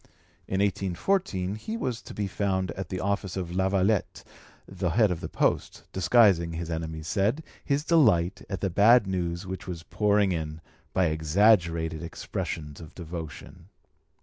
In 1814 he was to be found at the office of Lavallette, the head of the posts, disguising, his enemies said, his delight at the bad news which was pouring in, by exaggerated expressions of devotion.